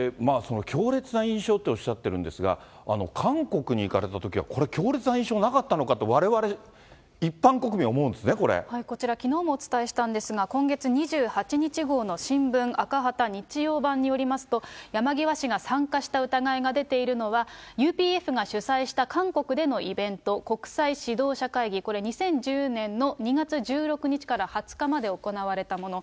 強烈な印象っておっしゃってるんですが、韓国に行かれたときは、これ、強烈な印象なかったのかと、われわれ一般国民は思うんですね、こちら、きのうもお伝えしたんですが、今月２８日号のしんぶん赤旗日曜版によりますと、山際氏が参加した疑いが出ているのは、ＵＰＦが主催した韓国でのイベント、国際指導者会議、これ、２０１０年の２月１６日から２０日まで行われたもの。